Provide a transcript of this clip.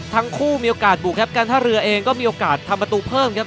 ทั้งคู่มีโอกาสบุกครับการท่าเรือเองก็มีโอกาสทำประตูเพิ่มครับ